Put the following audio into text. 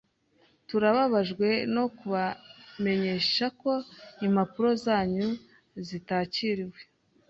Turababajwe no kubamenyesha ko impapuro zanyu zitakiriwe.